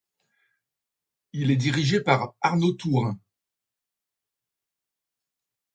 Il est dirigé par Arnaud Tourin.